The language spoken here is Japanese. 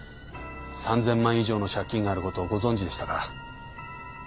３，０００万円以上の借金があることをご存じでしたか？